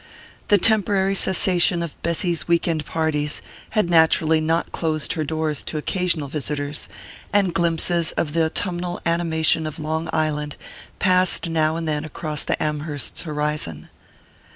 The temporary cessation of Bessy's week end parties had naturally not closed her doors to occasional visitors, and glimpses of the autumnal animation of Long Island passed now and then across the Amhersts' horizon.